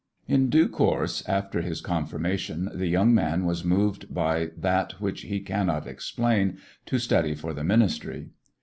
In due course, after his confirmation, the young man was moved by that which he can not explain to study for the ministry.